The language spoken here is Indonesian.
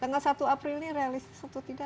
tanggal satu april ini realistis atau tidak